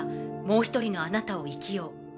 もう１人のあなたを生きよう。